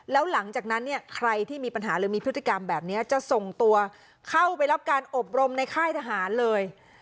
แล้วหลังจากนั้นเนี่ยใครที่มีปัญหาหรือมีพฤติกรรมแบบนี้จะส่งตัวเข้าไปรับการอบรมในค่ายทหารเลย